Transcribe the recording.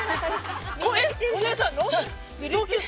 ◆お姉さんの同級生。